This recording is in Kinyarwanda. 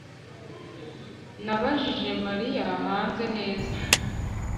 nabajije mariya hanze. neza